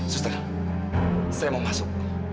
suster saya mau masuk